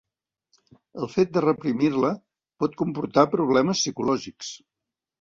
El fet de reprimir-la pot comportar problemes psicològics.